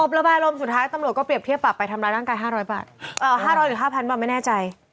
ระบายอารมณ์สุดท้ายตำรวจก็เรียบเทียบปรับไปทำร้ายร่างกาย๕๐๐บาท๕๐๐หรือ๕๐๐บาทไม่แน่ใจ